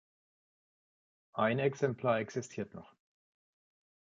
Ein Exemplar existiert noch.